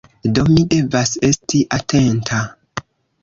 Do, mi devas esti atenta